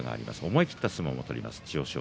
思い切った相撲を取ります千代翔